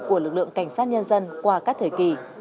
của lực lượng cảnh sát nhân dân qua các thời kỳ